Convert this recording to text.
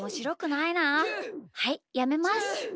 はいやめます。